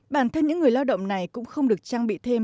bản thân những người lao động này cũng không được trang bị thêm